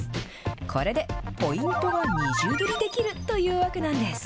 これでポイントが二重取りできるというわけなんです。